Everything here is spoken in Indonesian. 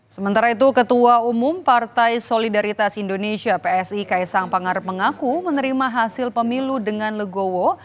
sementara itu ketua umum partai solidaritas indonesia psi kaisang pangarep mengaku menerima hasil pemilu dengan legowo